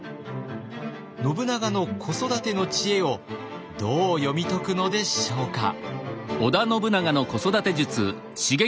信長の子育ての知恵をどう読み解くのでしょうか。